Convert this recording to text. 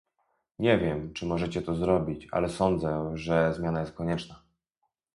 Nie wiem, czy możecie to zrobić, ale sądzę, że zmiana jest konieczna